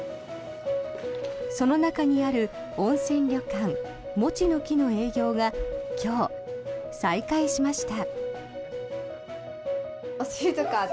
その中にある温泉旅館もちの木の営業が今日、再開しました。